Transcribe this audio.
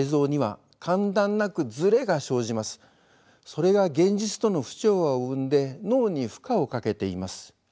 それが現実との不調和を生んで脳に負荷をかけています。